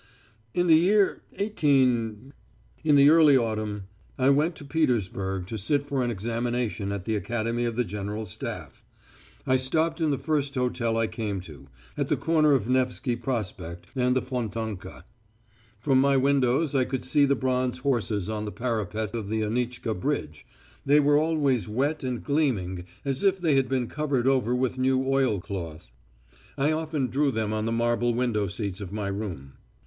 "In the year 18 , in the early autumn, I went to Petersburg to sit for an examination at the Academy of the General Staff. I stopped in the first hotel I came to, at the corner of Nevsky Prospect and the Fontanka. From my windows I could see the bronze horses on the parapet of the Anitchka Bridge they were always wet and gleaming as if they had been covered over with new oilcloth. I often drew them on the marble window seats of my room.